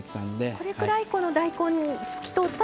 これくらい大根が透き通ったら。